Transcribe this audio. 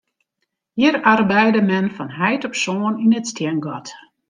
Hjir arbeide men fan heit op soan yn it stiengat.